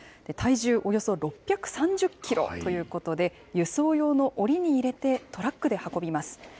体重およそ６３０キロということで、輸送用のおりに入れて、トラックで運びます。